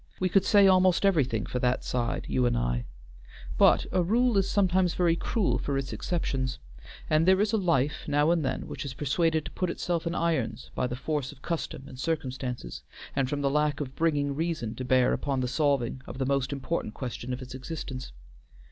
We could say almost everything for that side, you and I; but a rule is sometimes very cruel for its exceptions; and there is a life now and then which is persuaded to put itself in irons by the force of custom and circumstances, and from the lack of bringing reason to bear upon the solving of the most important question of its existence.